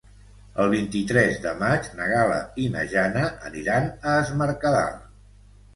El vint-i-tres de maig na Gal·la i na Jana aniran a Es Mercadal.